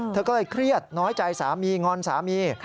เธอก็เลยเครียดน้อยใจสามีงอนสามี